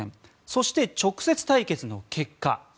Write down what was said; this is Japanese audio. そして、直接対決の結果。